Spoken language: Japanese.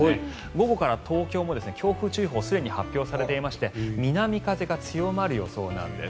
午後から東京も強風注意報がすでに発表されていまして南風が強まる予想なんです。